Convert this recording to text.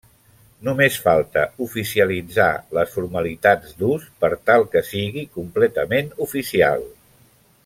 Només falta oficialitzar les formalitats d'ús per tal que sigui completament oficial.